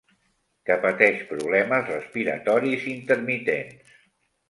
Que pateix problemes respiratoris intermitents.